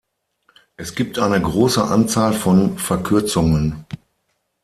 Es gibt eine große Anzahl von Verkürzungen.